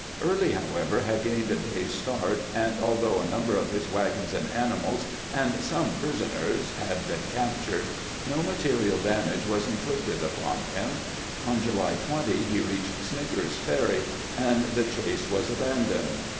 Early, however, had gained a day's start, and although a number of his wagons and animals and some prisoners had been captured, no material damage was inflicted upon him. On July 20 he reached Snicker's Ferry, and the chase was abandoned.